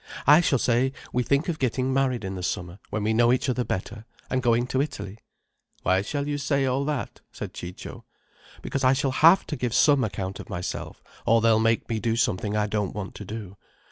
I shall say we think of getting married in the summer, when we know each other better, and going to Italy." "Why shall you say all that?" said Ciccio. "Because I shall have to give some account of myself, or they'll make me do something I don't want to do.